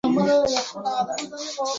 Doctor, কিছু কথা ছিল আপনার সাথে।